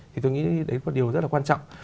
thì tôi nghĩ đấy là một điều rất là quan trọng